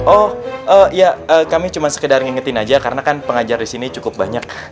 oh ya kami cuma sekedar ngingetin aja karena kan pengajar di sini cukup banyak